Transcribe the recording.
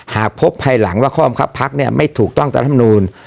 หากพบภัยหลังว่าคอมคับพักเนี้ยไม่ถูกต้องตามทำนวน